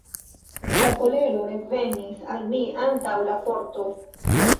La kolero revenis al mi antaŭ la forto.